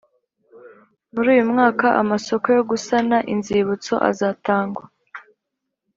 Muri uyu mwaka amasoko yo gusana inzibutso azatangwa.